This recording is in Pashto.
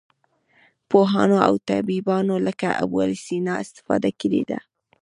پوهانو او طبیبانو لکه ابوعلي سینا استفاده کړې ده.